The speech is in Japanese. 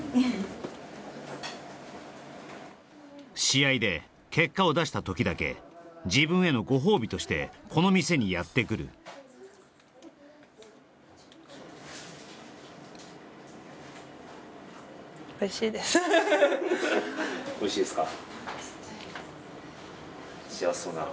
試合で結果を出した時だけ自分へのご褒美としてこの店にやってくるおいしいですか？